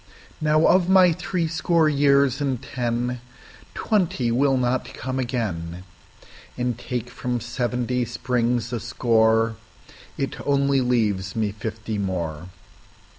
Now, of my threescore years and ten, Twenty will not come again, And take from seventy springs a score, It only leaves me fifty more.